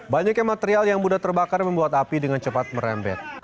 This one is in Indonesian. banyaknya material yang mudah terbakar membuat api dengan cepat merembet